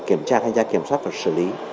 chiến đoạt tài phạm chiến đoạt tài phạm